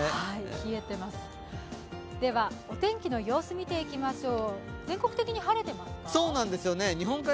冷えてます、ではお天気の様子見ていきましょう。